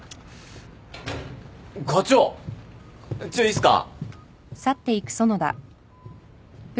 ・課長ちょいいいっすか？